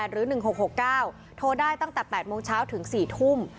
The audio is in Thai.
หรือ๑๖๖๙โทรได้ตั้งแต่๘โมงเช้าถึง๔ทุ่ม